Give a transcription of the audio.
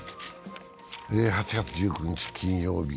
８月１９日金曜日。